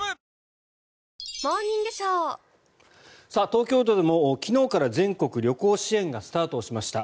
東京都でも昨日から全国旅行支援がスタートしました。